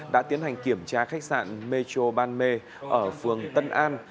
đã tiến hành kiểm tra khách sạn metro ban mê ở phường tân an